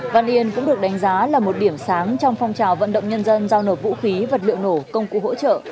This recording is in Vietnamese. văn yên cũng được đánh giá là một điểm sáng trong phong trào vận động nhân dân giao nộp vũ khí vật liệu nổ công cụ hỗ trợ